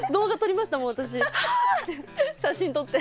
写真撮って。